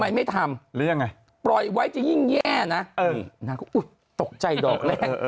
ทำไมไม่ทำหรือยังไงปล่อยไว้จะยิ่งแย่นะนางก็อุ๊ยตกใจดอกแรก